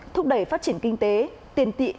thúc đẩy phát triển kinh tế tiền tị